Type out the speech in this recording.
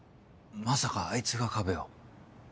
まさかあいつが加部を。